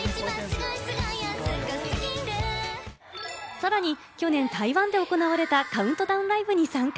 さらに去年、台湾で行われたカウントダウンライブに参加。